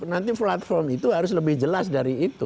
jadi platform itu harus lebih jelas dari itu